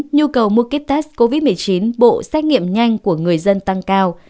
nhu cầu mua kit test covid một mươi chín bộ xét nghiệm nhanh của người dân tăng cao